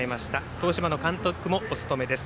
東芝の監督もお務めです。